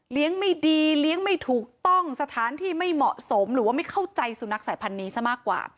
ไม่ดีเลี้ยงไม่ถูกต้องสถานที่ไม่เหมาะสมหรือว่าไม่เข้าใจสุนัขสายพันธุ์นี้ซะมากกว่า